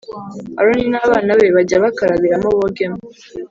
Aroni n abana be bajye bakarabiramo bogemo